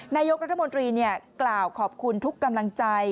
นายกรัฐมนตรีกล่าวขอบคุณทุกกำลังใจ